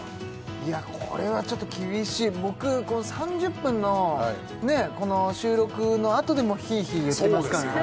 いやこれはちょっと厳しい僕この３０分の収録のあとでもヒイヒイ言ってますからね